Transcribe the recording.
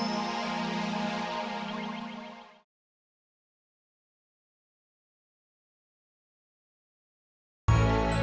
gak ada yang peduli